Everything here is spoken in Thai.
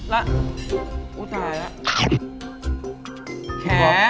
แล้วอุ๊ยตายแล้ว